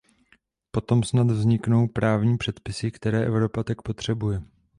Potom snad vzniknou právní předpisy, které Evropa tak potřebuje.